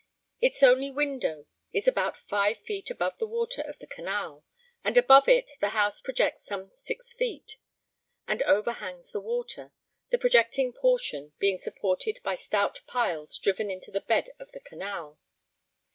Its only window is about five feet above the water of the canal, and above it the house projects some six feet, and overhangs the water, the projecting portion being supported by stout piles driven into the bed of the canal.